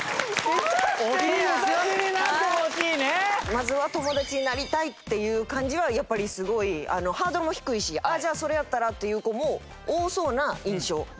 まずは友達になりたいっていう感じはやっぱりすごいハードルも低いしじゃあそれやったらっていう子も多そうな印象。